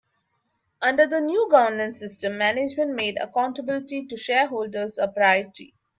Under the new governance system, management made accountability to shareholders a priority.